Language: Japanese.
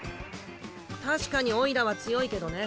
確かにおいらは強いけどね。